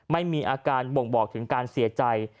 ไม่มีอาการบ่งบอกถึงการเสียใจ